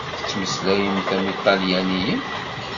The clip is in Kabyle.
Tettmeslayemt am iṭalyaniyen?